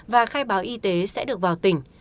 và khai báo y tế sẽ được vào tỉnh